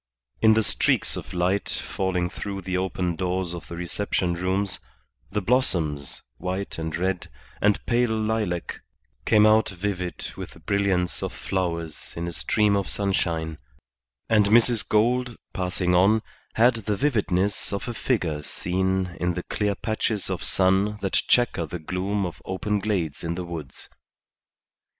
In the streaks of light falling through the open doors of the reception rooms, the blossoms, white and red and pale lilac, came out vivid with the brilliance of flowers in a stream of sunshine; and Mrs. Gould, passing on, had the vividness of a figure seen in the clear patches of sun that chequer the gloom of open glades in the woods.